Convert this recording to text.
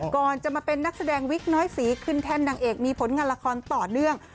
ก่อนจะมาเป็นนักแสดงวิกน้อยสีขึ้นแท่นนางเอกมีผลงานละครต่อเนื่อง